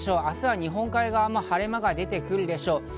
明日は日本海側も晴れ間が出てくるでしょう。